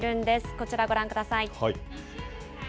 こちら、ご覧ください。